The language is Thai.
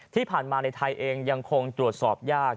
ที่ผ่านมาในไทยเองยังคงตรวจสอบยาก